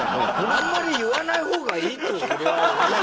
あんまり言わない方がいいと俺は思う。